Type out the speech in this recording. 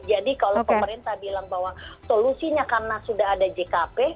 jadi kalau pemerintah bilang bahwa solusinya karena sudah ada jkp